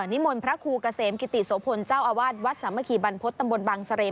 นิมนต์พระครูเกษมกิติโสพลเจ้าอาวาสวัดสามัคคีบรรพฤษตำบลบังเสร่